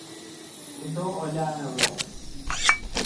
سڌو اوليآ ميݩ وهُڙو